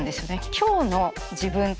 今日の自分。